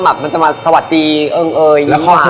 มันจะมาสวัสดีเอิงเอ่ย